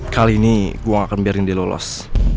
kali ini gue gak akan biarin dia lolos